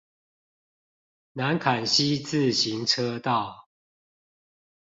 南崁溪自行車道